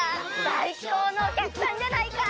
さいこうのおきゃくさんじゃないか！